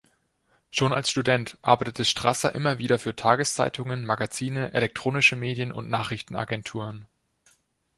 Schon als Student arbeitete Strasser immer wieder für Tageszeitungen, Magazine, elektronische Medien und Nachrichtenagenturen.